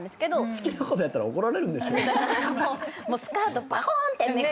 好きなことやったら怒られるんでしょ。